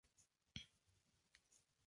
Barcelona: Ed.